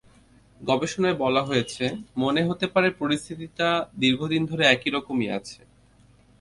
গবেষণায় বলা হয়েছে, মনে হতে পারে পরিস্থিতিটা দীর্ঘদিন ধরে একই রকমই আছে।